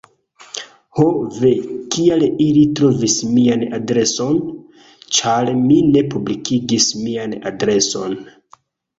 "Ho ve, kial ili trovis mian adreson?" ĉar mi ne publikigis mian adreson.